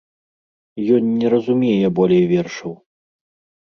Ён не разумее болей вершаў.